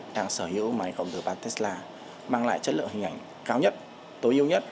đang sở hữu máy cộng từ ba tesla mang lại chất lượng hình ảnh cao nhất tối ưu nhất